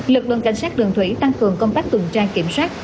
lực lượng cảnh sát đường thủy tăng cường công tác tuyên trang kiểm soát